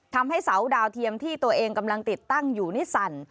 ทำให้เสาดาวเทียมที่ตัวเองกำลังติดตั้งอยู่นี่สั่น